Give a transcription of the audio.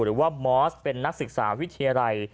หรือว่ามอสเป็นนักศึกษาวิทยาลัย